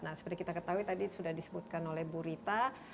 nah seperti kita ketahui tadi sudah disebutkan oleh bu rita